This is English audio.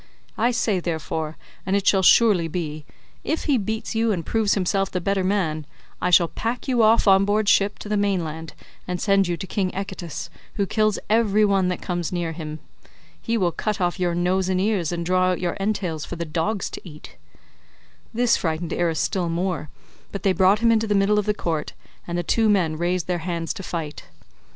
I say, therefore—and it shall surely be—if he beats you and proves himself the better man, I shall pack you off on board ship to the mainland and send you to king Echetus, who kills every one that comes near him. He will cut off your nose and ears, and draw out your entrails for the dogs to eat." This frightened Irus still more, but they brought him into the middle of the court, and the two men raised their hands to fight.